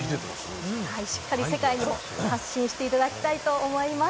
しっかり世界に発信していただきたいと思います。